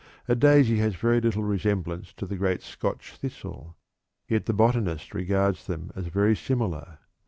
A daisy has little resemblance to a great Scotch thistle; yet the botanist regards them as very similar.